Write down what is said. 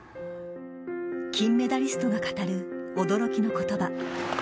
金メダリストが語る驚きのことば。